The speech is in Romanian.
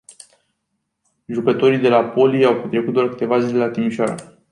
Jucătorii de la Polii au petrecut doar câteva zile la Timișoara.